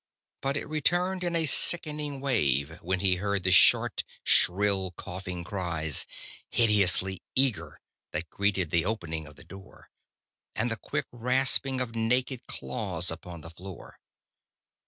But it returned in a sickening wave when he heard the short, shrill, coughing cries, hideously eager, that greeted the opening of the door. And the quick rasping of naked claws upon the floor.